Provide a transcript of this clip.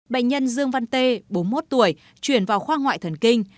bệnh nhân dương văn tê bốn mươi một tuổi chuyển vào khoa ngoại thần kinh